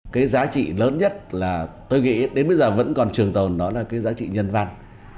cái giá trị lớn nhất là tôi nghĩ đến bây giờ vẫn còn trường tồn nó là cái giá trị nhân văn